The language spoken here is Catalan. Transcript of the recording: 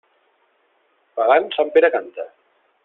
Pagant, sant Pere canta!